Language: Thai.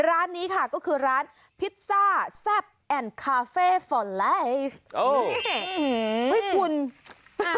ร้านนี้ค่ะก็คือร้านพิซซ่าแซ่บแอนด์คาเฟ่ฟอนไลซ์